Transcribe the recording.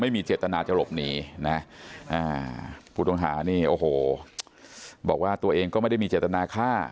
ไม่มีเจตนาจะหลบหนีนะผู้ต้องหานี่โอ้โหบอกว่าตัวเองก็ไม่ได้มีเจตนาฆ่า